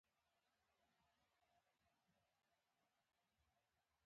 خپلو خوبونو ته د رسېدو لپاره هڅه وکړئ.